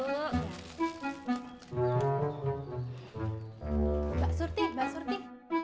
mbak surti mbak surti